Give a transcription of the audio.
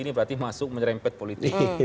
ini berarti masuk menyerempet politik